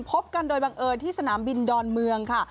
พบกันโดยบังเอิญที่สนามบินดอนเมืองค่ะ